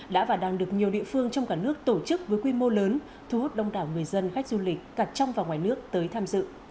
đã và đang được nhiều địa phương trong cả nước tổ chức với quy mô lớn thu hút đông đảo người dân khách du lịch cả trong và ngoài nước tới tham dự